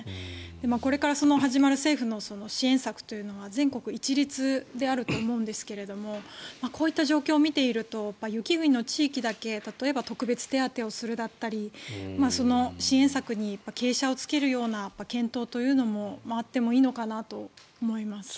これから始まる政府の支援策というのは全国一律であると思うんですがこういった状況を見ていると雪国の地域だけ例えば特別手当をするだったり支援策に傾斜をつけるような検討というのもあってもいいのかなと思います。